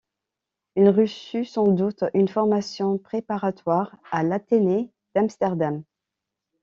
Il reçut sans doute une formation préparatoire à l'athénée d'Amsterdam.